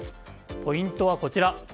ポイントはこちら。